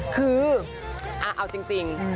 คือเอาจริง